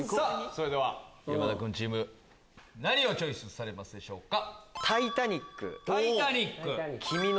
それでは山田君チーム何をチョイスされますか？